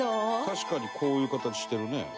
確かにこういう形してるね。